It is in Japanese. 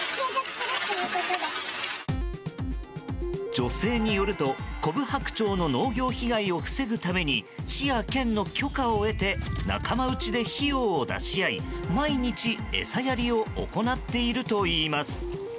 女性によるとコブハクチョウの農業被害を防ぐために市や県の許可を得て仲間内で費用を出し合い毎日餌やりを行っているといいます。